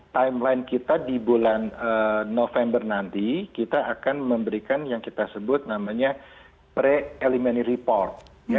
timeline kita di bulan november nanti kita akan memberikan yang kita sebut namanya pre eliminary report